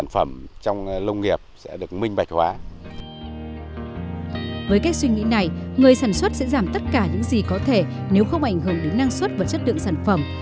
với cách suy nghĩ này người sản xuất sẽ giảm tất cả những gì có thể nếu không ảnh hưởng đến năng suất và chất lượng sản phẩm